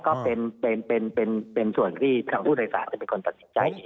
ก็เป็นเป็นเป็นเป็นส่วนที่ทางธุรกิจฐานจะเป็นคนตัดสินใจ